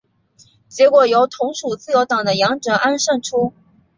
结果由同属自由党的杨哲安胜出。